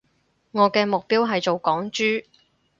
我嘅目標係做港豬